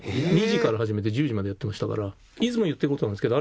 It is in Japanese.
２時から始めて１０時までやってましたから。